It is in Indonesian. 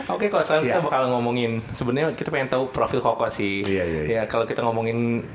oke kok seneng nggak ngomongin sebenernya kita yang tahu profil kokos iya kalau kita ngomongin